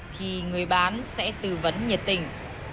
thì người bán sẽ tư vấn nhiệt tình